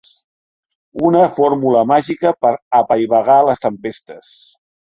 Una fórmula màgica per a apaivagar les tempestes.